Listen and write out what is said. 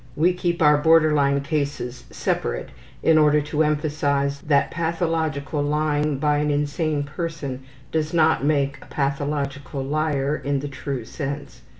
We keep our border line cases separate in order to emphasize that pathological lying by an insane person does not make a pathological liar in the true sense.